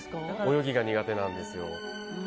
泳ぎが苦手なんです。